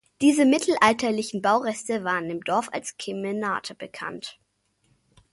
Diese mittelalterlichen Baureste waren im Dorf als "Kemenate" bekannt.